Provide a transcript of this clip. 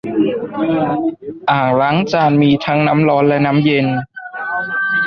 อ่างล้างจานมีทั้งน้ำร้อนและน้ำเย็น